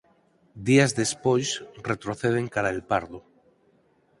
Días despois retroceden cara a El Pardo.